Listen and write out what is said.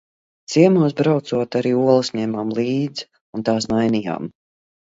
Ciemos braucot arī olas ņēmām līdz un tās mainījām.